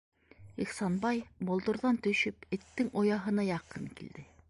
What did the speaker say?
Ихсанбай, болдорҙан төшөп, эттең ояһына яҡын килде.